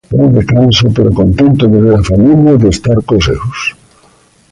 Volve canso, pero contento de ver a familia, de estar cos seus.